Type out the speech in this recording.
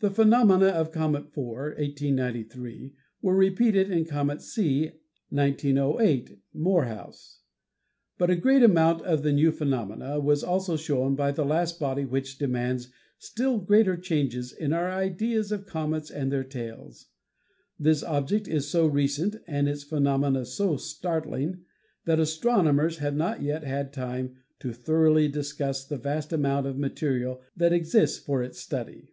The phenomena of Comet IV, 1893, were repeated in Comet C, 1908 (Morehouse). But a great amount of new phenomena was also shown by this last body which demands still greater changes in our ideas of comets and their tails. This object is so recent and its phenomena so startling that astronomers have not yet had time to thoroughly discuss the vast amount of material that exists for its study.